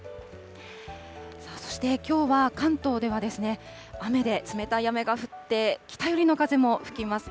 そしてきょうは関東では、雨で、冷たい雨が降って、北寄りの風も吹きます。